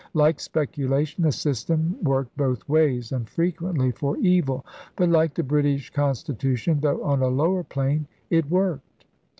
Like speculation the system worked both ways, and frequently for evil. But, like the British constitution, though on a lower plane, it worked.